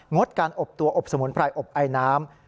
ดการอบตัวอบสมุนไพรอบไอน้ำ